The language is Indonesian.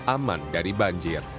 aman dari banjir